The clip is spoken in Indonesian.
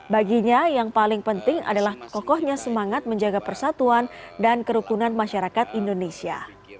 baginya yang paling penting adalah kokohnya semangat menjaga persatuan dan kerukunan masyarakat indonesia